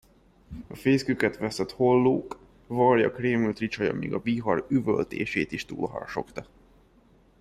A fészküket vesztett hollók, varjak rémült ricsaja még a vihar üvöltését is túlharsogta.